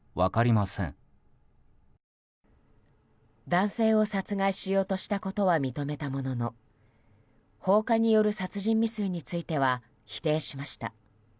男性を殺害しようとしたことは認めたものの放火による殺人未遂については否定しました。